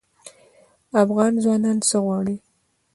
افغان ځوانان څه غواړي؟